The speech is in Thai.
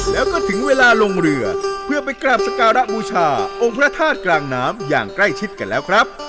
แล้วก็ถึงเวลาลงเรือเพื่อไปกราบสการะบูชาองค์พระธาตุกลางน้ำอย่างใกล้ชิดกันแล้วครับ